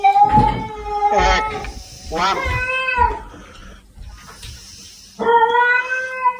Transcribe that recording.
সিরিয়ার রাজত্ব স্বল্পস্থায়ী হলেও হুসাইনের পুত্র ফয়সাল এরপর নবগঠিত ইরাকের রাজত্ব লাভ করেন।